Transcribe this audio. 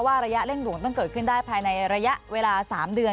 ระยะเร่งด่วนต้องเกิดขึ้นได้ภายในระยะเวลา๓เดือน